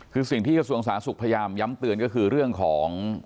คือสิ่งที่กระทรวงสาธารณสุขพยายามย้ำเตือนก็คือเรื่องของ